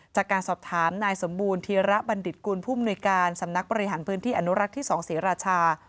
จากการสอบถามนายสมบูรณธีระบัณฑิตกุลผู้มนุยการสำนักบริหารพื้นที่อนุรักษ์ที่๒ศรีราชา